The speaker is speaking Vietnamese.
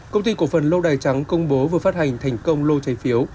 công ty cổ phần lâu đài trắng công bố vừa phát hành thành công lô trái phiếu